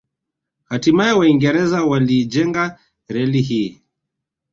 Hatimae Waingereza waliijenga reli hii